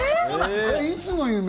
いつの夢？